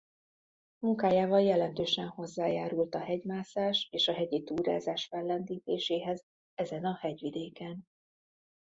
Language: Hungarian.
Munkájával jelentősen hozzájárult a hegymászás és a hegyi túrázás fellendítéséhez ezen a hegyvidéken.